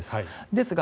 ですが